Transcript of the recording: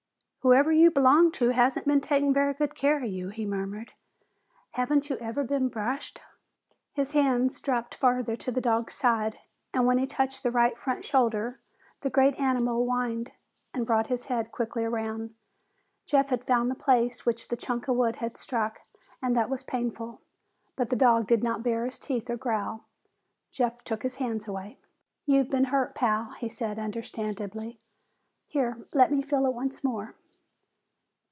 "Whoever you belong to hasn't been taking very good care of you," he murmured. "Haven't you ever been brushed?" His hands dropped farther, to the dog's sides, and when he touched the right front shoulder the great animal winced and brought his head quickly around. Jeff had found the place which the chunk of wood had struck, and that was painful. But the dog did not bare his teeth or growl. Jeff took his hands away. "You've been hurt, Pal," he said understandingly. "Here, let me feel it once more."